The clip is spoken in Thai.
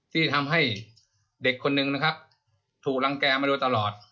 ที่ทำให้เด็กคนหนึ่งถูกรังแก่มาดูตลอด